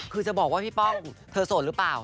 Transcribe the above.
คือจะบอกว่าพี่ป้องเธอโสดหรือเปล่า